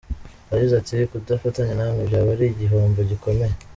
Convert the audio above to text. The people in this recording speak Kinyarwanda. Yagize ati “Kudafatanya namwe byaba ari igihombo gikomeye.